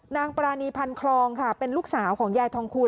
ปรานีพันคลองค่ะเป็นลูกสาวของยายทองคูณ